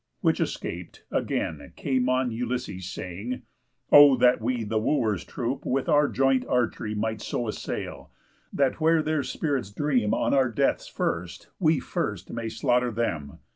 Which escap'd, again Came on Ulysses, saying: "O that we The Wooers' troop with our joint archery Might so assail, that where their spirits dream On our deaths first, we first may slaughter them!"